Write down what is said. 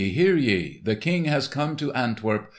hear ye! The King has come to Antwerp!